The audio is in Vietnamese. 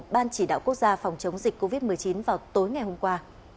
ban chỉ đạo quốc gia phòng chống dịch covid một mươi chín vào tối ngày hôm qua